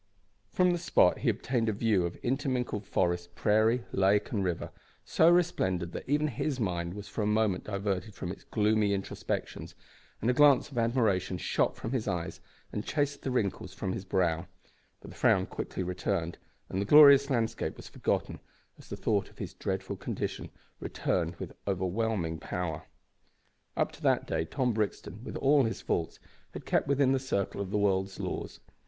From the spot he obtained a view of intermingled forest, prairie, lake, and river, so resplendent that even his mind was for a moment diverted from its gloomy introspections, and a glance of admiration shot from his eyes and chased the wrinkles from his brow; but the frown quickly returned, and the glorious landscape was forgotten as the thought of his dreadful condition returned with overwhelming power. Up to that day Tom Brixton, with all his faults, had kept within the circle of the world's laws.